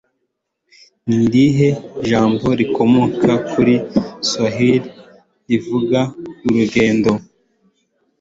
Ni irihe jambo rikomoka kuri Swahili rivuga "Urugendo"?